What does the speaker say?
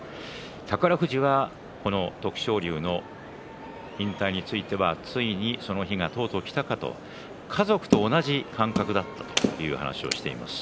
宝富士は徳勝龍の引退についてはついにとうとうその日が来たかと、家族と同じ感覚だったという話をしていました。